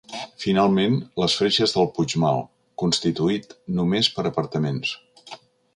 Finalment, les Freixes del Puigmal, constituït només per apartaments.